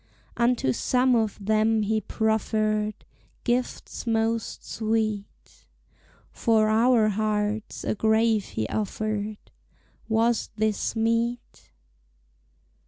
Unto some of them he proffered Gifts most sweet; For our hearts a grave he offered, Was this meet?